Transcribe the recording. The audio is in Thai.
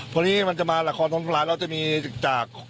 เพราะนี้มันจะมาหลักของลำสำรายแล้วจะมีจาก